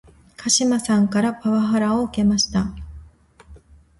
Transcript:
鹿島さんからパワハラを受けました